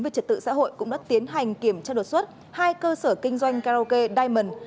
về trật tự xã hội cũng đã tiến hành kiểm tra đột xuất hai cơ sở kinh doanh karaoke diamond